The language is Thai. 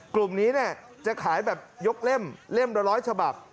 กลุ่มนี้จะขายแบบยกเล่มเล่มละร้อยฉบับ